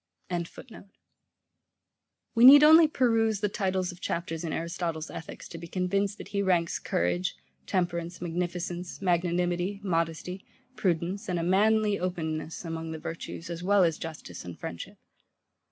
] We need only peruse the titles of chapters in Aristotle's Ethics to be convinced that he ranks courage, temperance, magnificence, magnanimity, modesty, prudence, and a manly openness, among the virtues, as well as justice and friendship.